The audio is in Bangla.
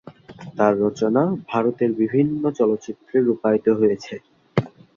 তার রচনা ভারতের বিভিন্ন চলচ্চিত্রে রূপায়িত হয়েছে।